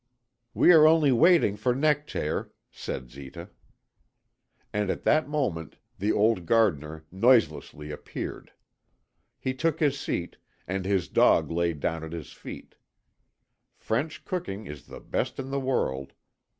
"We are only waiting for Nectaire," said Zita. And at that moment the old gardener noiselessly appeared. He took his seat, and his dog lay down at his feet. French cooking is the best in the world.